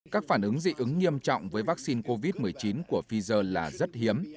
các phản ứng dị ứng nghiêm trọng với vaccine covid một mươi chín của pfizer là rất hiếm